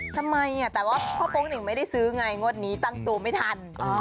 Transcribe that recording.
ทำไมแต่ว่าพ่อโป๊งหนึ่งไม่ได้ซื้อไงงวดนี้ตั้งตัวไม่ทัน